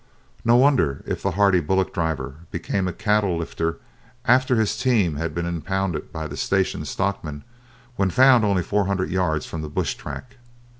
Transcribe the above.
No wonder if the hardy bullock driver became a cattle lifter after his team had been impounded by the station stockman when found only four hundred yards from the bush track.